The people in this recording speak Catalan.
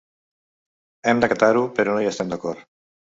Hem d’acatar-ho però no hi estem d’acord.